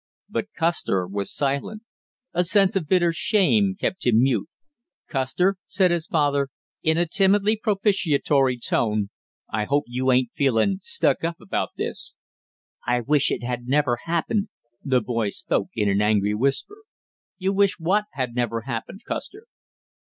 But Custer was silent, a sense of bitter shame kept him mute. "Custer," said his father, in a timidly propitiatory tone, "I hope you ain't feeling stuck up about this!" "I wish it had never happened!" The boy spoke in an angry whisper. "You wish what had never happened, Custer?"